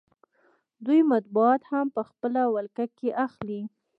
دوی مطبوعات هم په خپله ولکه کې اخلي